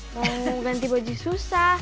mau mandi baju susah